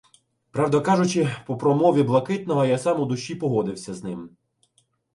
Правду кажучи, по промові Блакитного я сам у душі погодився з ним.